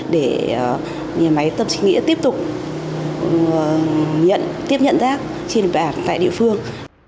để nhà máy tâm sinh nghĩa tiếp tục tiếp nhận giác trên bàn tại địa phương